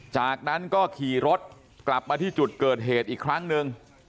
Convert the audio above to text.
จากนั้นก็ขี่รถกลับมาที่จุดเกิดเหตุอีกครั้งหนึ่ง